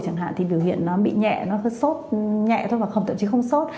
chẳng hạn thì biểu hiện nó bị nhẹ nó hớt sốt nhẹ thôi và không tậm chí không sốt